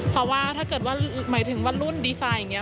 เพราะว่าถ้าเกิดว่าหมายถึงว่ารุ่นดีไซน์อย่างนี้